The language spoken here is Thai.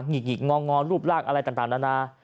หิกงองอรูปร่างอะไรต่างนานา